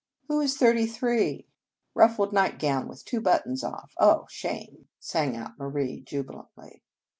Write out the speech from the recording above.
"Who is thirty three? Ruffled night gown with two buttons off. Oh, shame !" sang out Marie jubilantly.